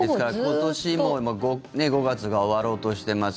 今年も５月が終わろうとしています。